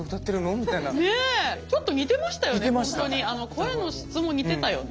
声の質も似てたよね。